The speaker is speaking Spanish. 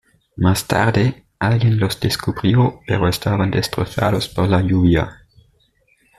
Más tarde, alguien los descubrió, pero estaban destrozados por la lluvia.